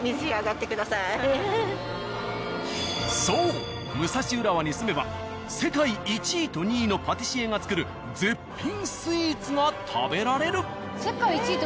そう武蔵浦和に住めば世界１位と２位のパティシエが作る絶品スイーツが食べられる。